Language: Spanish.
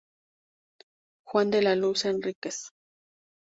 Juan de la luz Enríquez".